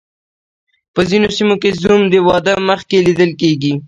په ځینو سیمو کې زوم د واده مخکې لیدل کیږي.